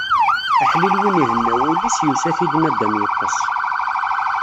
Aḥlil win ihenna wul-is, yusa-t-id naddam yeṭṭes.